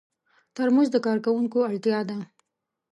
ترموز د کارکوونکو اړتیا ده.